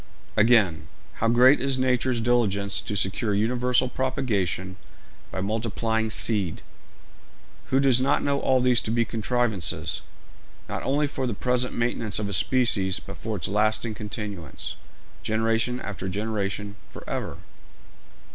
Again, how great is nature's diligence to secure universal propagation by multiplying seed! Who does not know all these to be contrivances, not only for the present maintenance of a species, but for its lasting continuance, generation after generation, for ever?